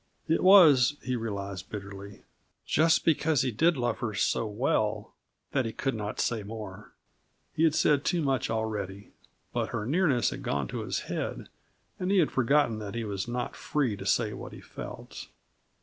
It was, he realized bitterly, just because he did love her so well, that he could not say more. He had said too much already; but her nearness had gone to his head, and he had forgotten that he was not free to say what he felt.